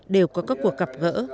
đều có các cuộc gặp gỡ